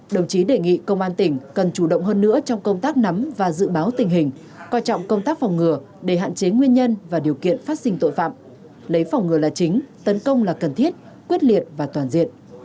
đồng chí đề nghị công an tỉnh cần chủ động hơn nữa trong công tác nắm và dự báo tình hình coi trọng công tác phòng ngừa để hạn chế nguyên nhân và điều kiện phát sinh tội phạm lấy phòng ngừa là chính tấn công là cần thiết quyết liệt và toàn diện